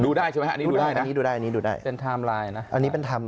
ดูได้ใช่ไหมครับอันนี้ดูได้นะ